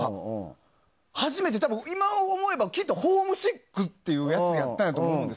初めて、多分今思えばきっとホームシックってやつやったんだと思うんです。